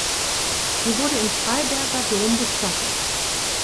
Sie wurde im Freiberger Dom bestattet.